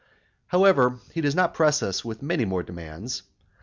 However, he does not press us with many more demands.